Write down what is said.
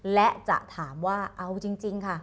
และจะถามว่าเอาจริงค่ะ